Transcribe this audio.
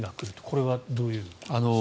これはどういうことでしょうか。